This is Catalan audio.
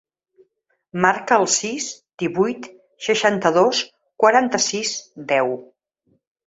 Marca el sis, divuit, seixanta-dos, quaranta-sis, deu.